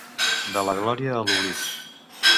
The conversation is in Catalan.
De la glòria a l’oblit.